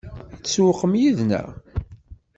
Ad tsewweq yid-neɣ?